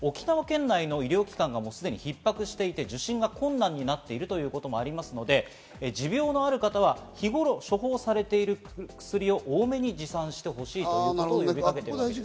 さらに沖縄県内の医療機関がすでにひっ迫していて受診が困難になっているということもありますので、持病のある方は日頃、処方されている薬を多めに持参してほしいということです。